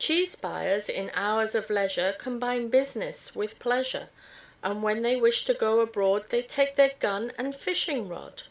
Cheese buyers in hours of leisure Combine business with pleasure, And when they wish to go abroad They take their gun and fishing rod.